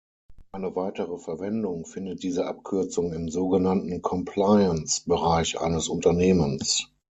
Eine weitere Verwendung findet diese Abkürzung im sogenannten Compliance-Bereich eines Unternehmens.